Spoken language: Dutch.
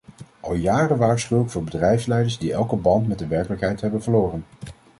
Al jaren waarschuw ik voor bedrijfsleiders die elke band met de werkelijkheid hebben verloren.